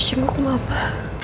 gue harus cembuk mama